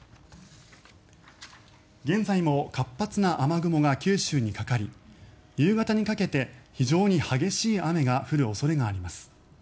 現在も活発な雨雲が九州にかかり夕方にかけて非常に激しい雨が降る恐れがあります。